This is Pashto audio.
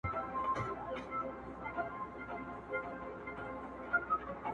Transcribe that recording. راغزولي دي خیرن لاسونه!